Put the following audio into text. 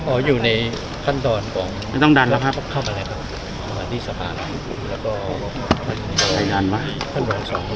อ๋ออยู่ในคั้นตอนหลังที่สะพานแล้ว